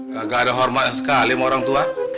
kagak ada hormat sekali sama orang tua